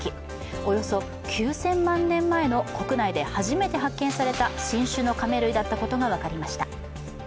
およそ９０００万年前の国内で初めて発見された新種のカメ類だったことが分かりました。